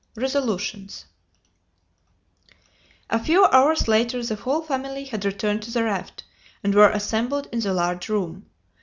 RESOLUTIONS A few hours later the whole family had returned to the raft, and were assembled in the large room.